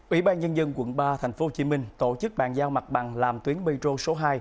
ủy ban nhân dân quận ba tp hcm tổ chức bàn giao mặt bằng làm tuyến metro số hai